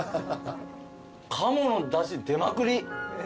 鴨のだし出まくり。